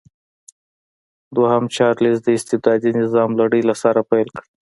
دویم چارلېز د استبدادي نظام لړۍ له سره پیل کړه.